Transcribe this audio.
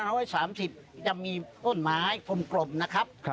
เมื่อก่อนนี้ปี๒๐๓๐จะมีต้นไม้กลมนะครับ